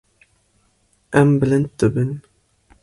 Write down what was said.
Em bilind dibin.